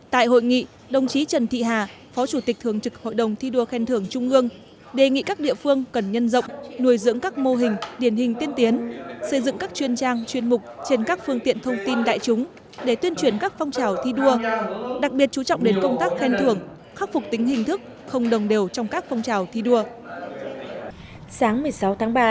tại hội nghị đồng chí trần thị hà phó chủ tịch thường trực hội đồng thi đua khen thưởng trung ương đề nghị các địa phương cần nhân rộng nuôi dưỡng các mô hình điển hình tiên tiến xây dựng các chuyên trang chuyên mục trên các phương tiện thông tin đại chúng để tuyên truyền các phong trào thi đua đặc biệt chú trọng đến công tác khen thưởng khắc phục tính hình thức không đồng đều trong các phong trào thi đua